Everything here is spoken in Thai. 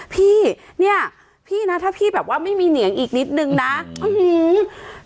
พี่เนี้ยพี่นะถ้าพี่แบบว่าไม่มีเหนียงอีกนิดนึงนะอื้อหือ